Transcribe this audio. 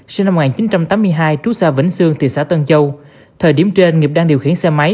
sinh năm một nghìn chín trăm tám mươi hai trú xa vĩnh sương thị xã tân châu thời điểm trên nghiệp đang điều khiển xe máy